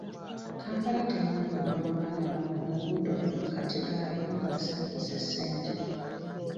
Kampala terina kubaamu baana ba ku nguudo mu makkati gaayo nga basabiriza ssente.